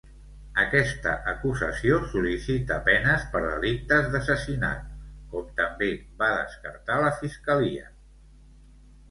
Aquesta acusació sol·licita penes per delictes d'assassinat, com també va descartar la Fiscalia.